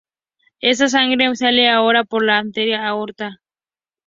Esta sangre sale ahora por la arteria aorta.